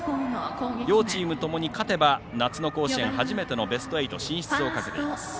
両チームともに勝てば夏の甲子園初めてのベスト８進出をかけています。